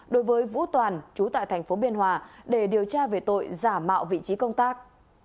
đối với vũ toàn chú tại thành phố biên hòa để điều tra về tội giả mạo vị trí công tác